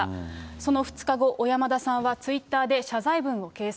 その２日後、小山田さんはツイッターで謝罪文を掲載。